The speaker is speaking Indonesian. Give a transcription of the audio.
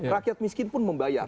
rakyat miskin pun membayar